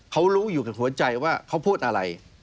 เขารู้อยู่กับหัวใจว่าเขาพูดอะไร